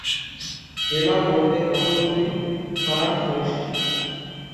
জেলা বলতে কতগুলি থানার সমষ্টি।